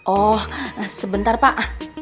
oh sebentar pak